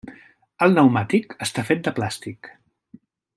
El pneumàtic està fet de plàstic.